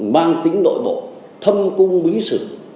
mang tính nội bộ thâm cung bí sử